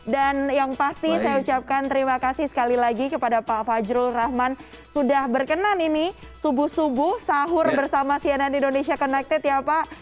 dan yang pasti saya ucapkan terima kasih sekali lagi kepada pak fajrul rahman sudah berkenan ini subuh subuh sahur bersama cnn indonesia connected ya pak